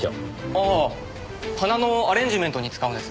ああ花のアレンジメントに使うんです。